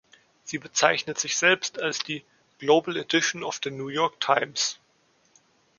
Sie bezeichnet sich selbst als die „Global Edition of the New York Times“.